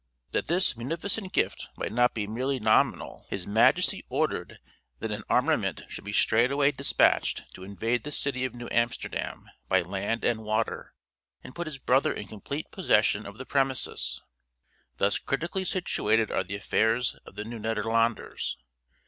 That this munificent gift might not be merely nominal, his Majesty ordered that an armament should be straightway despatched to invade the city of New Amsterdam by land and water, and put his brother in complete possession of the premises. Thus critically situated are the affairs of the New Nederlanders.